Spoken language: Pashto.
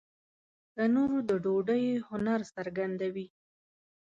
تنور د ډوډۍ هنر څرګندوي